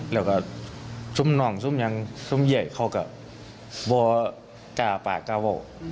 แล้วก็ซุ่มน้องซุ่มอย่างซุ่มใหญ่เขาก็ไม่กล้าปากล้าว่ะ